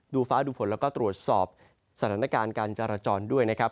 ฟ้าดูฝนแล้วก็ตรวจสอบสถานการณ์การจราจรด้วยนะครับ